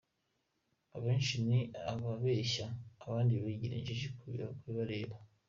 Abenshi ni ababeshya abandi bakigira injiji ku bibareba.